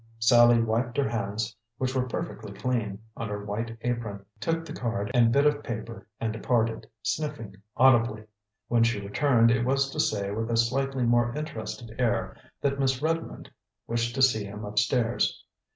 Sallie wiped her hands, which were perfectly clean, on her white apron, took the card and bit of paper and departed, sniffing audibly. When she returned, it was to say, with a slightly more interested air, that Miss Redmond wished to see him up stairs.